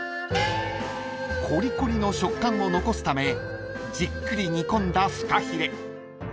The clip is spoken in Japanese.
［コリコリの食感を残すためじっくり煮込んだフカヒレ］